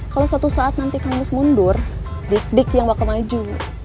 kalau suatu saat nanti kamus mundur dik dik yang bakal maju